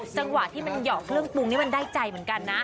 จังหวะยอกเครื่องปรุงได้ใจเหมือนกันนะ